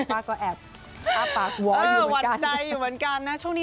ป้าก็แอบปากวอลอยู่เหมือนกันวัดใจอยู่เหมือนกันนะช่วงนี้